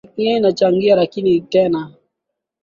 hiyo inachangia lakini tena